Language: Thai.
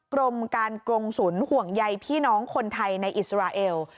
กรมการกรงศูนย์ห่วงใยพี่น้องคนไทยในอิสราเอล